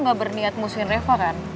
lo gak berniat musuhin reva kan